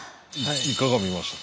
いかが見ました？